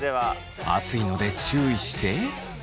熱いので注意して。